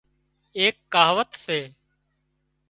ايڪ ڪهاوت سي